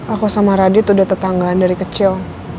aku sama radit udah tetanggaan dari kecil